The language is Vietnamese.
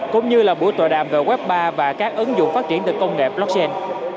cũng như là buổi tòa đàm về web ba và các ứng dụng phát triển từ công nghệ blockchain